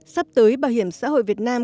sắp tới bảo hiểm xã hội việt nam